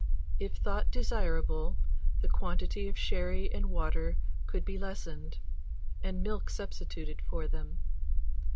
If thought desirable, the quantity of sherry and water could be lessened, and milk substituted for them.